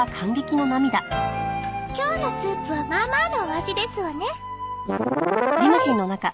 今日のスープはまあまあのお味ですわね。